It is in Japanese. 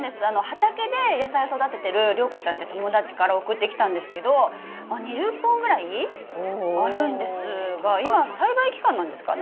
畑で野菜を育ててる良子ちゃんって友達から送ってきたんですけど２０本ぐらいあるんですが今栽培期間なんですか？